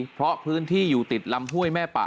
เพราะพื้นที่อยู่ติดลำห้วยแม่ป่า